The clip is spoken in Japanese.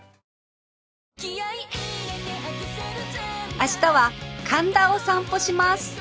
明日は神田を散歩します